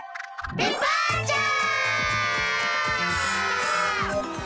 デパーチャー！